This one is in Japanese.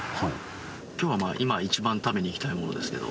今日はまあ今一番食べに行きたいものですけど。